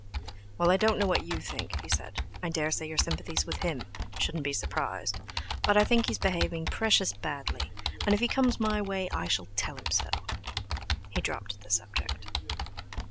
"Well, I don't know what you think," he said; "I dare say your sympathy's with him—shouldn't be surprised; but I think he's behaving precious badly, and if he comes my way I shall tell him so." He dropped the subject.